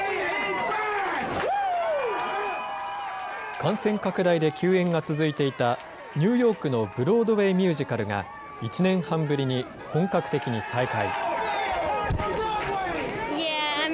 感染拡大で休演が続いていた、ニューヨークのブロードウェイミュージカルが、１年半ぶりに本格的に再開。